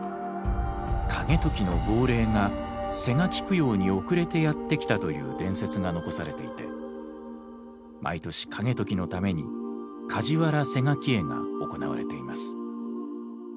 景時の亡霊が施餓鬼供養に遅れてやって来たという伝説が残されていて毎年景時のために梶原施餓鬼会が行われています。